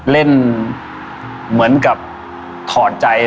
เล่นเหมือนกับถอดใจ